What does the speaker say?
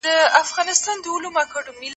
دوی د ډېر پخوا دلته سوداګري پرمخ وړې ده.